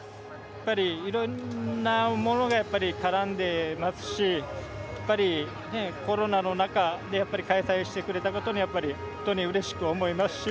いろんなものが絡んでいますしコロナの中開催してくれたことに本当にうれしく思いますし。